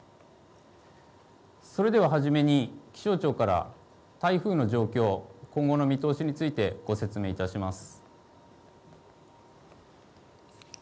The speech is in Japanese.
それでは初めに気象庁から台風の状況、今後の見通しについてご説明いたします。